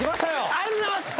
ありがとうございます